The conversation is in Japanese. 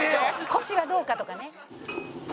コシはどうかとかね。